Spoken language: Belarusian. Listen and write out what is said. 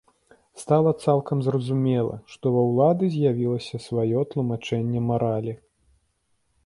Стала цалкам зразумела, што ва ўлады з'явілася сваё тлумачэнне маралі.